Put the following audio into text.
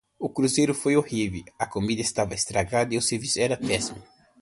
O cruzeiro foi horrível, a comida estava estragada e o serviço era péssimo.